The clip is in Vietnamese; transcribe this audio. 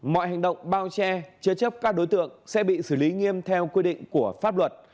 mọi hành động bao che chế chấp các đối tượng sẽ bị xử lý nghiêm theo quy định của pháp luật